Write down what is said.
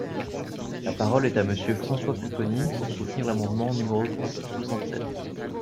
La parole est à Monsieur François Pupponi, pour soutenir l’amendement numéro trois cent soixante-sept.